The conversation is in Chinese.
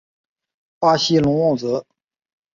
巴西隆沃泽。